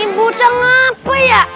ini boceng apa ya